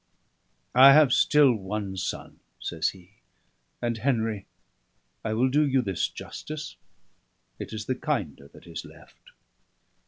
"I have still one son," says he. "And, Henry, I will do you this justice it is the kinder that is left."